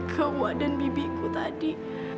ke wak dan bibi ku tadi